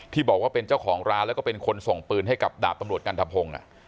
บอกว่าเป็นเจ้าของร้านแล้วก็เป็นคนส่งปืนให้กับดาบตำรวจกันทะพงศ์